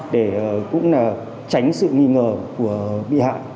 để tránh sự nghi ngờ của